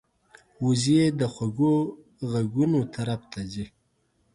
وزې د خوږو غږونو طرف ته ځي